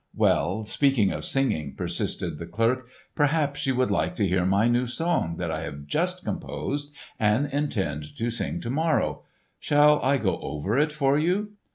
"Well, speaking of singing," persisted the clerk, "perhaps you would like to hear my new song that I have just composed and intend to sing to morrow. Shall I go over it for you?"